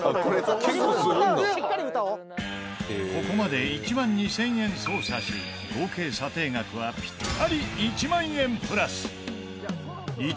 ここまで１万２０００円捜査し合計査定額はピッタリ１万円プラス。